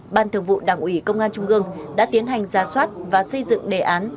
ban thường vụ đảng ủy công an trung ương đã tiến hành ra soát và xây dựng đề án